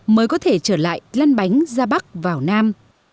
mới có thể trở lại lăn bánh ra bắc vào nam